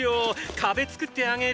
壁作ってあげる。